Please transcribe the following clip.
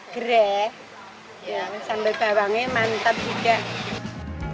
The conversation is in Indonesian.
gereh sambal bawangnya mantap juga